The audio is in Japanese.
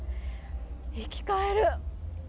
生き返る！